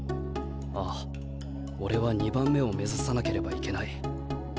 ああ俺は２番目を目指さなければいけない。